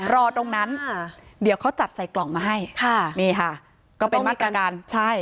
รอตรงนั้นเดี๋ยวเขาจัดใส่กล่องมาให้ค่ะนี่ค่ะก็เป็นมาตรการใช่